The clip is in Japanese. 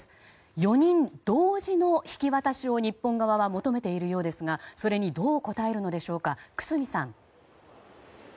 ４人同時の引き渡しを日本側は求めているようですがそれにどう応えるのでしょうか。